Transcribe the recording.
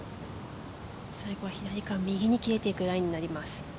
最後は左から右に切れていくライになります。